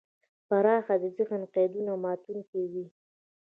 پراخ ذهن د قیدونو ماتونکی وي.